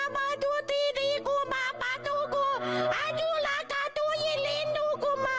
ทัศุทินิกุมะทัศุกุทั้งสุขทัศุยิลินดุกุมะ